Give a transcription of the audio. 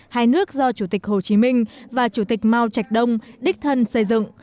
hai nước do chủ tịch hồ chí minh và chủ tịch mao trạch đông đích thân xây dựng